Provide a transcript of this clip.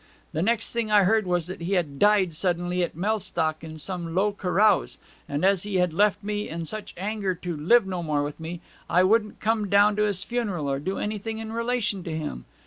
The next thing I heard was that he had died suddenly at Mellstock at some low carouse; and as he had left me in such anger to live no more with me, I wouldn't come down to his funeral, or do anything in relation to him.